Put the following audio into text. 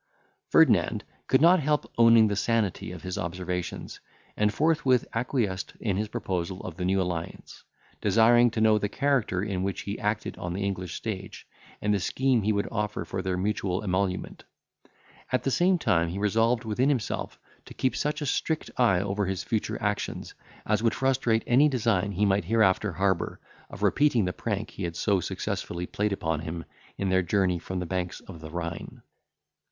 Ferdinand could not help owning the sanity of his observations, and forthwith acquiesced in his proposal of the new alliance; desiring to know the character in which he acted on the English stage, and the scheme he would offer for their mutual emolument. At the same time he resolved within himself to keep such a strict eye over his future actions, as would frustrate any design he might hereafter harbour, of repeating the prank he had so successfully played upon him, in their journey from the banks of the Rhine.